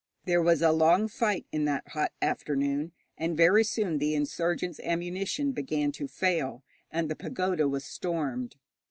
There was a long fight in that hot afternoon, and very soon the insurgents' ammunition began to fail, and the pagoda was stormed.